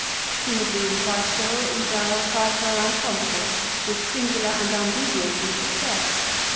He had been Quaestor, (Edile, Praetor and Consul, with singular and un deviating success.